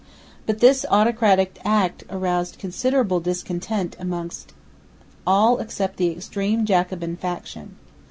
But this autocratic act aroused considerable discontent amongst all except the extreme Jacobin faction.